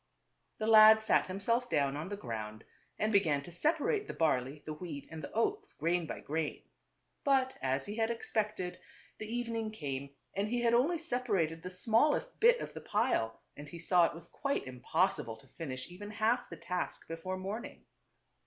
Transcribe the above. The lad sat himself down on the ground and began to separate the barley, the wheat, and the oats, grain by grain. But as he had expected, the evening came and he had only separated the smallest bit of the pile, and he saw it was quite impossible to finish even half the task before morning.